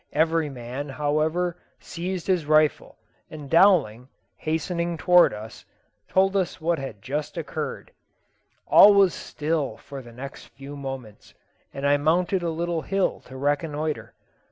Every man, however, seized his rifle, and Dowling, hastening towards us, told us what had just occurred. All was still for the next few moments, and I mounted a little hill to reconnoitre.